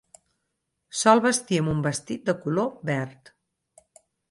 Sol vestir amb un vestit de color verd.